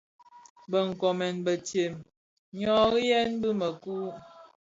Bë nkoomèn bëntsem nnoriyèn bi mëku.